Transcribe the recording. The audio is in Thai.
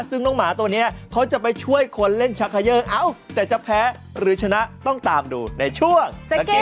ซึ่งน้องหมาตัวนี้เขาจะไปช่วยคนเล่นชาคาเยอร์เอ้าแต่จะแพ้หรือชนะต้องตามดูในช่วง